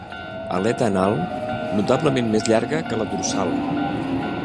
Aleta anal notablement més llarga que la dorsal.